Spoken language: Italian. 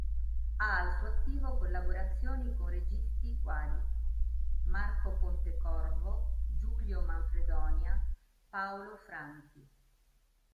Ha al suo attivo collaborazioni con registi quali Marco Pontecorvo, Giulio Manfredonia, Paolo Franchi.